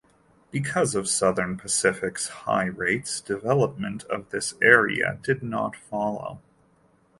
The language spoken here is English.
Because of Southern Pacific's high rates, development of this area did not follow.